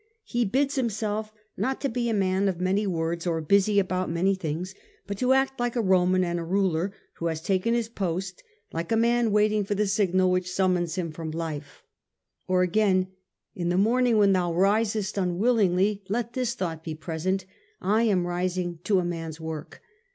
He bids himself 'not to be a man of many words, or busy about many things,^ but to act like 'a Roman and a ruler, who has taken his post like a man waiting for the signal which summons him from life/ Or again :' In the morning when thou risest unwillingly, let this thought be present. I am rising to a man^s work.